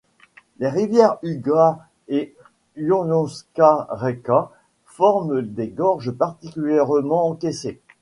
Les rivières Ugar et Ilomska reka forment des gorges particulièrement encaissées.